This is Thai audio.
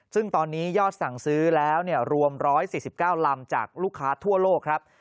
ซึ่งตอนนี้ยอดสั่งซื้อแล้วรวม๑๔๙ลำจากลูกค้าทั่วโลกครับ